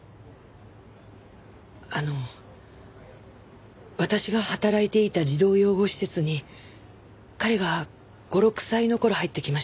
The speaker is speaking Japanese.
あの私が働いていた児童養護施設に彼が５６歳の頃入ってきました。